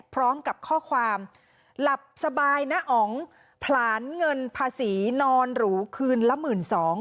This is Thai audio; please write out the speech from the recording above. พร้อมกับข้อความหลับสบายนะอ๋องผลาญเงินภาษีนอนหรูคืนละ๑๒๐๐บาท